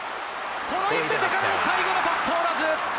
コロインベテからの最後のパス通らず。